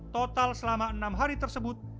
total selama enam hari tersebut